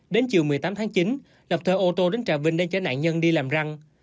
đến chiều một mươi tám tháng chín lập thơ ô tô đến trà vinh để chở nạn nhân đi làm răng